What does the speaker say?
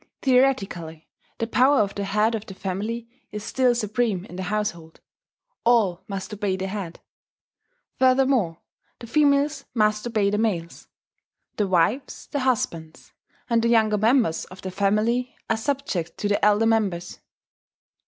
Theoretically the power of the head of the family is still supreme in the household. All must obey the head. Furthermore the females must obey the males the wives, the husbands; and the younger members of the family are subject to the elder members.